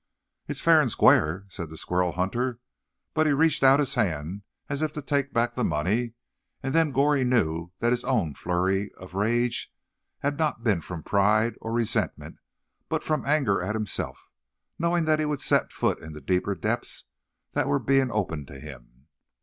"It's fa'r and squar'," said the squirrel hunter, but he reached out his hand as if to take back the money; and then Goree knew that his own flurry of rage had not been from pride or resentment, but from anger at himself, knowing that he would set foot in the deeper depths that were being opened to him.